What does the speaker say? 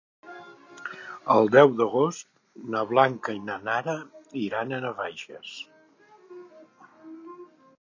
El deu d'agost na Blanca i na Nara iran a Navaixes.